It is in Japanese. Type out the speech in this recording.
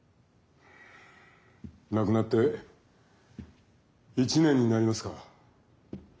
亡くなって１年になりますか。